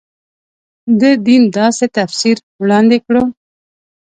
د دین داسې تفسیر وړاندې کړو.